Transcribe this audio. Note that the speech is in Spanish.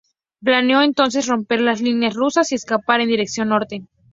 Planeó entonces romper las líneas rusas y escapar en dirección norte.